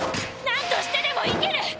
何としてでも生きる！